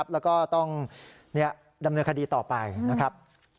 แล้วก็ต้องดำเนินคดีต่อไปนะครับ